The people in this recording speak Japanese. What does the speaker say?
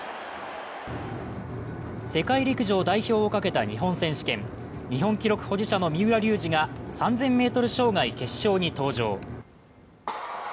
世界陸上代表をかけた日本選手権。日本記録保持者の三浦龍司が３０００ｍ障害決勝に登場。